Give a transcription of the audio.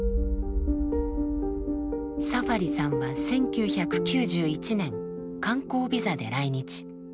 サファリさんは１９９１年観光ビザで来日。